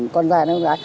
con giai đoạn đó